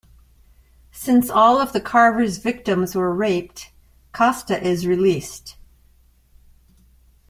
Since all of the Carver's victims were raped, Costa is released.